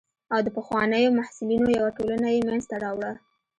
او د پخوانیو محصلینو یوه ټولنه یې منځته راوړه.